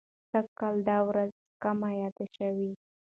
سږ کال دا ورځ کمه یاده شوه.